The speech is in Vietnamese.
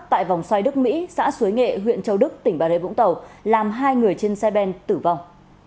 tại vòng xoay đức mỹ xã xuế nghệ huyện châu đức tỉnh bà rê vũng tàu làm hai người trên xe ben tử vong